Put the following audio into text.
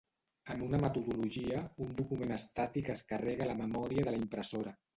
En una metodologia, un document estàtic es carrega a la memòria de la impressora.